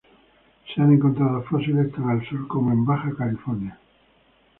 Se han encontrado fósiles tan al sur como en Baja California.